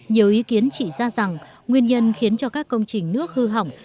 nhiều ý kiến chỉ ra rằng nguyên nhân khiến cho các công trình nước hư hỏng